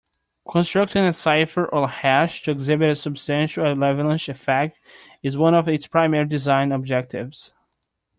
Constructing a cipher or hash to exhibit a substantial avalanche effect is one of its primary design objectives.